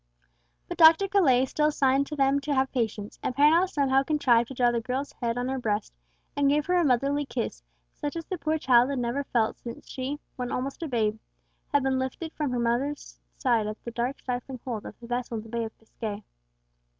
But Dr. Colet still signed to them to have patience, and Perronel somehow contrived to draw the girl's head on her breast and give her a motherly kiss, such as the poor child had never felt since she, when almost a babe, had been lifted from her dying mother's side in the dark stifling hold of the vessel in the Bay of Biscay.